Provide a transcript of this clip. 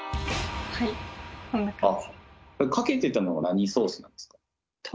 はいこんな感じで。